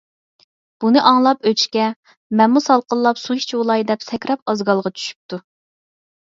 بۇنى ئاڭلاپ ئۆچكە: «مەنمۇ سالقىنلاپ، سۇ ئىچىۋالاي» دەپ سەكرەپ ئازگالغا چۈشۈپتۇ.